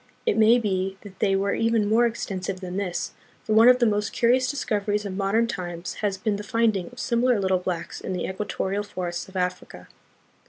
It may be that they were even more extensive than this, for one of the most curious discoveries of modern times has been the finding of similar little blacks in the equa torial forests of Africa.